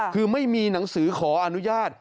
คือไม่มีหนังสือขออนุญาต